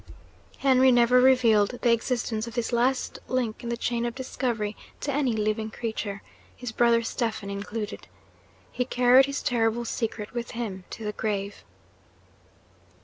Henry never revealed the existence of this last link in the chain of discovery to any living creature, his brother Stephen included. He carried his terrible secret with him to the grave.